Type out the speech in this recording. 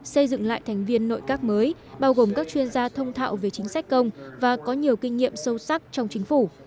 xây dựng lại thành viên nội các mới bao gồm các chuyên gia thông thạo về chính sách công và có nhiều kinh nghiệm sâu sắc trong chính phủ